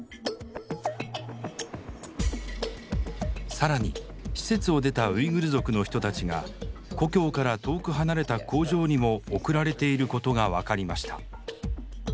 更に施設を出たウイグル族の人たちが故郷から遠く離れた工場にも送られていることが分かりました。